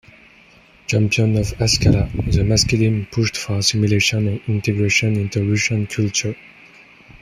Champions of Haskalah, the Maskilim, pushed for assimilation and integration into Russian culture.